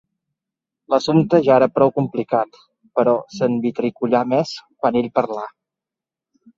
L'assumpte ja era prou complicat, però s'envitricollà més quan ell parlà.